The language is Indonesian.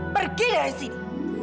pergi dari sini